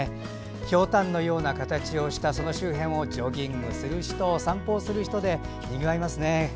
ひょうたんのような形をしたその周辺をジョギングする人、散歩する人でにぎわいますね。